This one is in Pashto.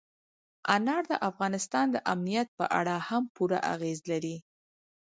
انار د افغانستان د امنیت په اړه هم پوره اغېز لري.